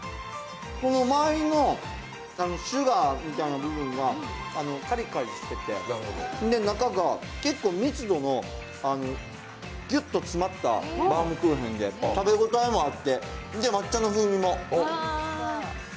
この周りのシュガーみたいな部分がかりかりしてて、中が結構、密度のぎゅっと詰まったバウムクーヘンで、食べ応えもあって、抹茶の風味も。